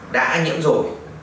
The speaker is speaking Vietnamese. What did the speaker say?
đã nhiễm rồi